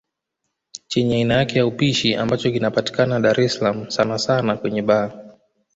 Chenye aina yake ya upishi ambacho kinapatikana Dar es salaam sana sana kwenye baa